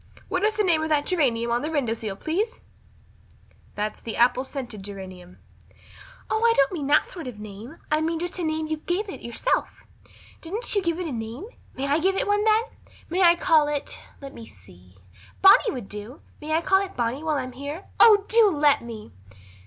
What is the name of that geranium on the window sill, please?" "That's the apple scented geranium." "Oh, I don't mean that sort of a name. I mean just a name you gave it yourself. Didn't you give it a name? May I give it one then? May I call it let me see Bonny would do may I call it Bonny while I'm here? Oh, do let me!"